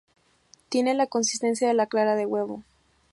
Tiene la consistencia de la clara de huevo.